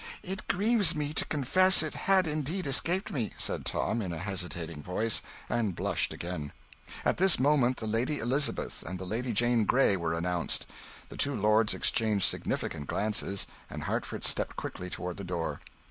"It grieves me to confess it had indeed escaped me," said Tom, in a hesitating voice; and blushed again. At this moment the Lady Elizabeth and the Lady Jane Grey were announced. The two lords exchanged significant glances, and Hertford stepped quickly toward the door.